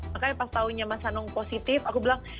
makanya pas taunya mas hanung positif aku bilang